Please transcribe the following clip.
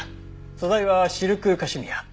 素材はシルクカシミア。